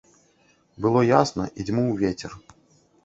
Было ясна і дзьмуў вецер.